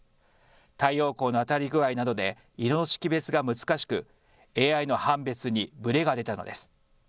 太陽光の当たり具合などで色の識別が難しくＡＩの判別にブレが出たのです。